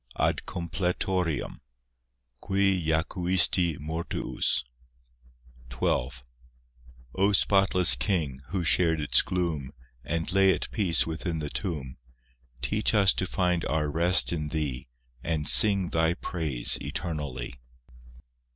(AD COMPLETORIUM) (Qui jacuisti mortuus) XII O spotless King, who shared its gloom, And lay at peace within the tomb, Teach us to find our rest in Thee, And sing Thy praise eternally.